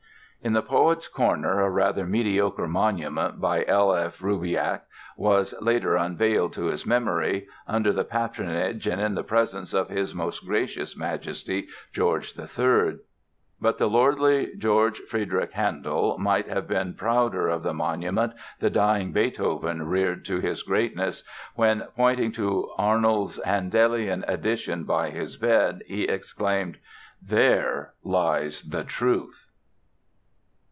In the Poets' Corner a rather mediocre monument, by L. F. Roubiliac, was later unveiled to his memory "under the patronage and in the presence of His Most Gracious Majesty, George III." But the lordly George Frideric Handel might have been prouder of the monument the dying Beethoven reared to his greatness when, pointing to Arnold's Handelian edition by his bed, he exclaimed: "There lies the Truth!"